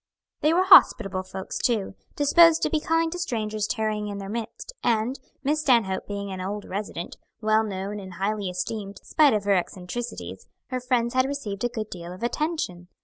They were hospitable folks, too, disposed to be kind to strangers tarrying in their midst, and, Miss Stanhope being an old resident, well known and highly esteemed, spite of her eccentricities, her friends had received a good deal of attention.